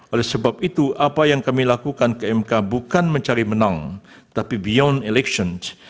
oleh sebab itu apa yang kami lakukan ke mk bukan mencari menang tapi beyond election